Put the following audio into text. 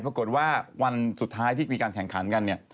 ปรากฏว่าวันสุดท้ายที่มีการแข่งขันกันเนี่ย